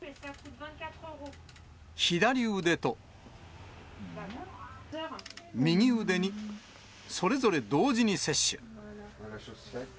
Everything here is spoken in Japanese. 左腕と右腕に、それぞれ同時に接種。